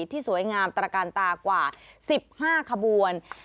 ที่สวยงามตระการตากว่า๑๕ขบวน